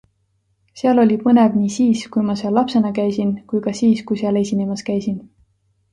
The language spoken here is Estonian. Seal oli põnev nii siis, kui ma seal lapsena käisin, kui ka siis, kui seal esinemas käisin.